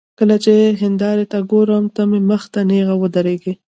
کله چې هندارې ته ګورم، ته مې مخ ته نېغه ودرېږې